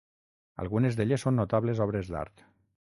Algunes d'elles són notables obres d'art.